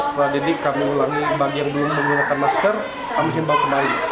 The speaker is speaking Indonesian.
setelah didik kami ulangi bagian belum menggunakan masker kami imbau kembali